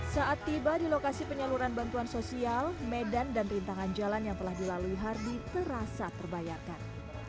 saat tiba di lokasi penyaluran bantuan sosial medan dan rintangan jalan yang telah dilalui hardy terasa terbayarkan